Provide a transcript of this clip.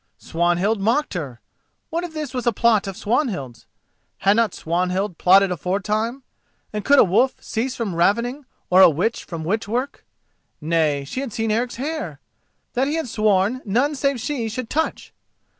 Swanhild mocked her!—what if this was a plot of Swanhild's? Had not Swanhild plotted aforetime, and could a wolf cease from ravening or a witch from witch work? Nay, she had seen Eric's hair—that he had sworn none save she should touch!